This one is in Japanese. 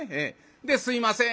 で「すいません」